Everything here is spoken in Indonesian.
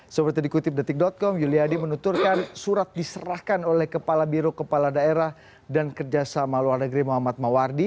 seperti dikutip detik com yuliadi menuturkan surat diserahkan oleh kepala biro kepala daerah dan kerjasama luar negeri muhammad mawardi